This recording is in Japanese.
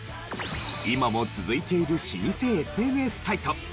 今も続いている老舗ＳＮＳサイト。